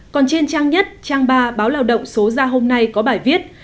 còn trên trang nhất trang ba báo lao động số ra hôm nay có bài viết